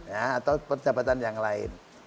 ya atau perjabatan yang lain